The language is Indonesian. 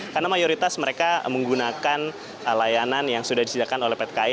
karena mayoritas mereka menggunakan layanan yang sudah disediakan oleh petkai